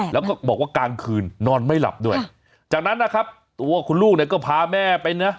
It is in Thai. แล้วก็บอกว่ากลางคืนนอนไม่หลับด้วยจากนั้นนะครับตัวคุณลูกเนี่ยก็พาแม่ไปนะ